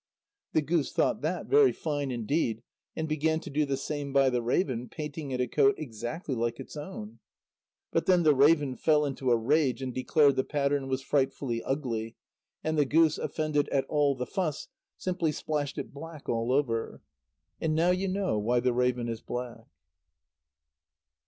The goose thought that very fine indeed, and began to do the same by the raven, painting it a coat exactly like its own. But then the raven fell into a rage, and declared the pattern was frightfully ugly, and the goose, offended at all the fuss, simply splashed it black all over. And now you know why the raven is black.